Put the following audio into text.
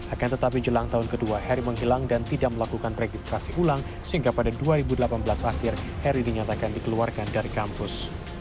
akan tetapi jelang tahun kedua heri menghilang dan tidak melakukan registrasi ulang sehingga pada dua ribu delapan belas akhir heri dinyatakan dikeluarkan dari kampus